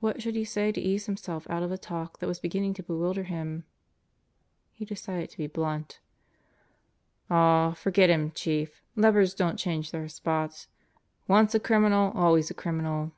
What should he say to ease himself out of a talk that was beginning to bewilder him? He decided to be blunt. "Aw, forget him, Chief. Leopards don't change their spots. Once a criminal always a criminal."